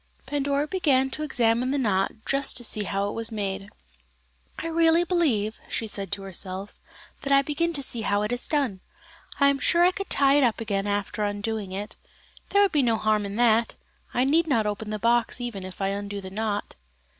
Pandora began to examine the knot just to see how it was made. "I really believe," she said to herself, "that I begin to see how it is done. I am sure I could tie it up again after undoing it. There could be no harm in that; I need not open the box even if I undo the knot."